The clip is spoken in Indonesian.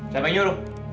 siapa yang nyuruh